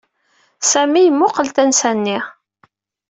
Sami yemmuqqel tansa-nni.